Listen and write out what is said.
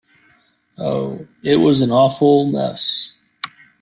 Oh, it was all an awful mess.